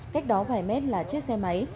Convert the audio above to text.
cách đó vài mét là chiếc xe máy